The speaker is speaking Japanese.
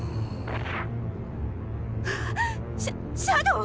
シャシャドウ！？